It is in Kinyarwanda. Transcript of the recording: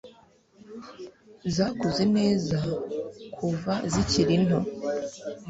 zakuze neza kuva zikiri nto